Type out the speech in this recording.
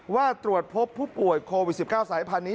ว่าตรวจพบผู้ป่วยโควิด๑๙สายพันธุนี้